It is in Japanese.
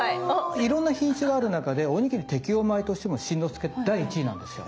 いろんな品種がある中でおにぎり適用米としても新之助第１位なんですよ。